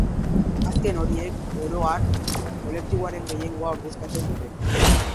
Azken horiek, oro har, kolektiboaren gehiengoa ordezkatzen dute.